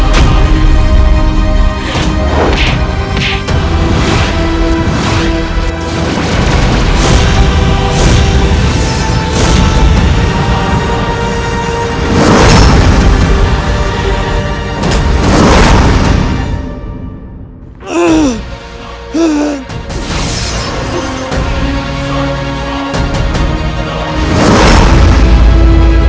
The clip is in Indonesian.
kau amuk maluku